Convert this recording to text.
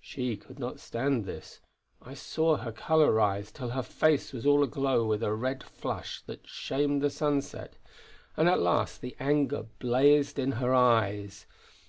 She could not stand this. I saw her colour rise till her face was all aglow with a red flush that shamed the sunset; and at last the anger blazed in her eyes.